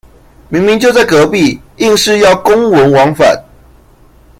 明明就在隔壁，硬是要公文往返